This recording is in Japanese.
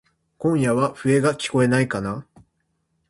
今夜は笛がきこえないかなぁ。